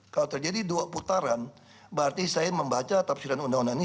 kalau terjadi dua putaran berarti saya membaca tafsiran undang undang ini